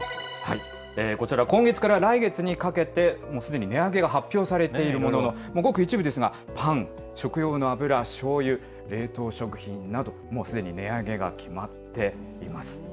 こちら、今月から来月にかけて、もうすでに値上げが発表されているもののごく一部ですが、パン、食用の油、しょうゆ、冷凍食品など、もうすでに値上げが決まっています。